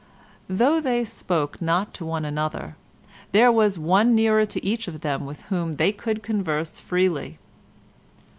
Though they spoke not to one another, there was one nearer to each of them with whom they could converse freely.